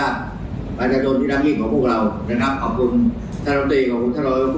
วันทางโจรธิดังหรือของพวกเรานะครับ